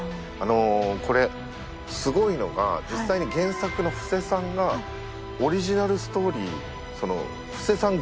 これすごいのが実際に原作の伏瀬さんがオリジナルストーリー伏瀬さん